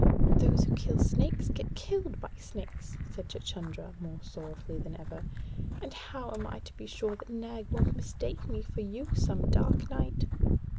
'Those who kill snakes get killed by snakes,' said Chuchundra, more sorrowfully than ever. 'And how am I to be sure that Nag won't mistake me for you some dark night?'